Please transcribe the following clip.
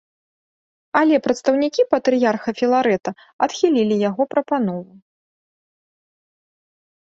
Але прадстаўнікі патрыярха філарэта адхілілі яго прапанову.